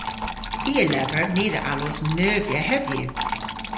I a lever ni dhe allos neuvya hedhyw.